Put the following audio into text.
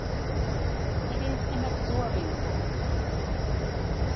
It is an absorbing work.